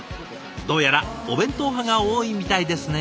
どうやらお弁当派が多いみたいですね。